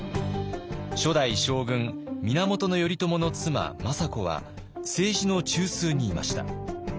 初代将軍源頼朝の妻政子は政治の中枢にいました。